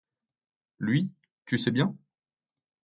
Lui, tu sais bien ?…